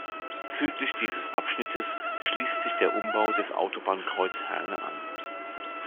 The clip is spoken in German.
Südlich dieses Abschnittes schließt sich der Umbau des Autobahnkreuz Herne an.